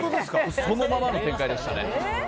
そのままの展開でしたね。